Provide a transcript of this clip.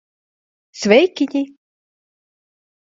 Sveikiņi!